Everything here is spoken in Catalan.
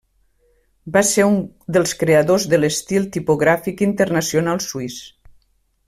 Va ser un dels creadors de l'estil tipogràfic internacional Suís.